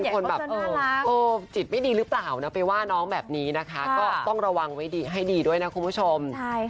เนี่ยคิดไม่ดีหรือเปล่านะอันแบบนี้นะคะก็ต้องต้องระวังไปให้ดีด้วยนะคุณผู้ชม